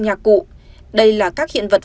nhạc cụ đây là các hiện vật